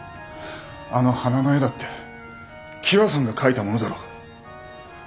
あの花の絵だって喜和さんが描いたものだろう。